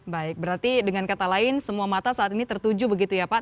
baik berarti dengan kata lain semua mata saat ini tertuju begitu ya pak